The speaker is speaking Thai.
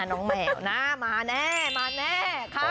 น้องแมวนะมาแน่